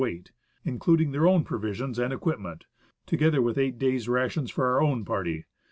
weight, including their own provisions and equipment, together with eight days' rations for our own party.